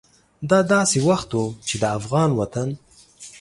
دا داسې وخت و چې د افغان وطن